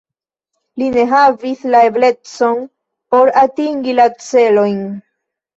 Li ne havis la eblecon por atingi la celojn.